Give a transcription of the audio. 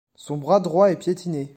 Son bras droit est piétiné.